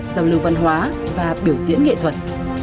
dòng lưu văn hóa và biểu diễn nghệ thuật